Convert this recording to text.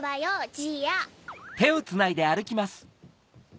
じいや。